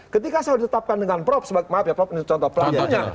ketika saya ditetapkan dengan prop maaf ya prop ini contoh pelajarnya